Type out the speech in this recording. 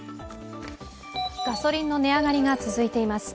ガソリンの高騰が続いています。